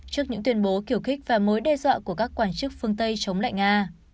trước những tuyên bố kiểu khích và mối đe dọa của các quản chức phương tây chống lại nga